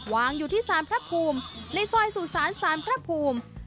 วางอยู่ที่สารพระภูมิในซอยสุสานสารพระภูมิ